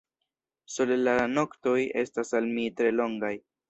Sole la noktoj estas al mi tre longaj.